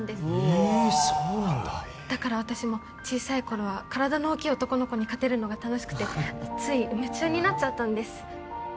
えっそうなんだだから私も小さい頃は体の大きい男の子に勝てるのが楽しくてつい夢中になっちゃったんです